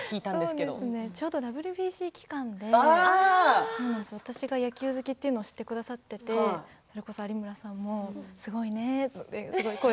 ちょうどＷＢＣ期間で私が野球好きというのを知ってくださっていて有村さんもすごいねって